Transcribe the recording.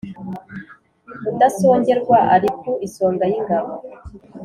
Mudasongerwa ari ku isonga y’ingabo